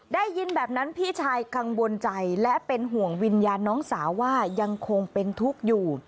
ได้ยินแบบนั้นพี่ชายกังวลใจและเป็นห่วงวิญญาณน้องสาวว่ายังคงเป็นทุกข์อยู่